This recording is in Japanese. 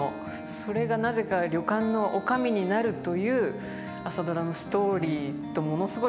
それがなぜか旅館の女将になるという「朝ドラ」のストーリーとものすごい重なりまして。